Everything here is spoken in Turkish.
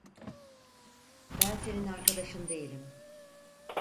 Ben senin arkadaşın değilim.